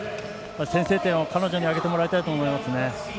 先制点を彼女に挙げてもらいたいなと思います。